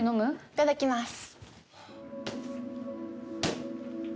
いただきます。